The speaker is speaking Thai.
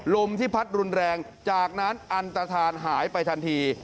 ลมที่พัดรุนแรงจากนั้นอันตฐานหายไปทันที